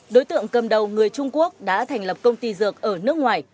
đối tượng cầm đầu người trung quốc đã thành lập công ty dược ở nước ngoài